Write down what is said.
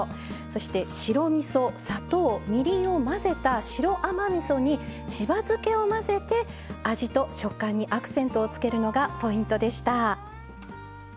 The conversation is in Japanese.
そして白みそ砂糖みりんを混ぜた白甘みそにしば漬けを混ぜて味と食感にアクセントをつけるのがポイントでした。